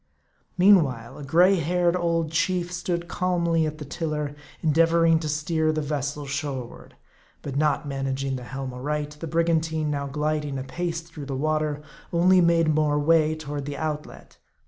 Meanwhile, a gray headed old chief stood calmly at the tiller, endeavoring to steer the vessel shoreward. But not managing the helm aright, the brigantine, now gliding apace through the water, only made more way toward the outlet.